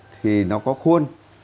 thì nó có khuôn